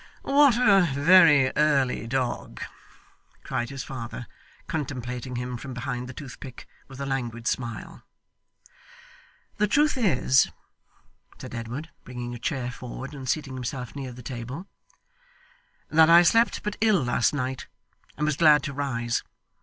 'What a very early dog!' cried his father, contemplating him from behind the toothpick, with a languid smile. 'The truth is,' said Edward, bringing a chair forward, and seating himself near the table, 'that I slept but ill last night, and was glad to rise.